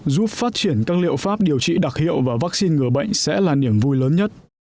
giúp phát triển các liệu pháp điều trị đặc hiệu và vaccine ngừa bệnh sẽ là niềm vui lớn nhất